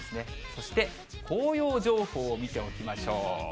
そして紅葉情報を見ておきましょう。